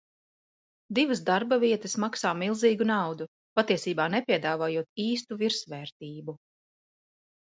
Divas darbavietas maksā milzīgu naudu, patiesībā nepiedāvājot īstu virsvērtību.